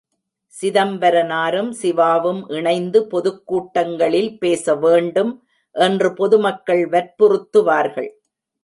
சிதம்பரனாரும் சிவாவும் இணைந்து பொதுக் கூட்டங்களில் பேசவேண்டும் என்று பொதுமக்கள் வற்புறுத்துவார்கள்.